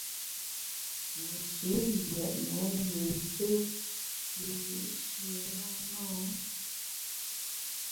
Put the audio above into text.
Nji yètne yin té wiyi’shi ṅaṅâ.